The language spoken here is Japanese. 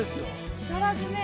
木更津ね。